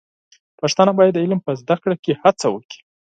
پښتانه بايد د علم په زده کړه کې هڅه وکړي.